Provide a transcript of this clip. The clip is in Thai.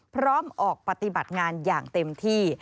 พร้อมออกปฏิบัติงานอย่างเต็มที่